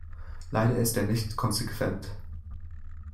Leider ist er nicht konsequent.